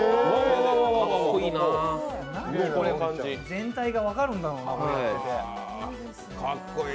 全体が分かるんだろうな。